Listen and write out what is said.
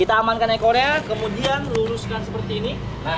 kita amankan ekornya kemudian luluskan seperti ini